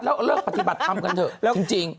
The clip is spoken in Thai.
แล้วเลิกปฏิบัติธรรมกันเถอะจริง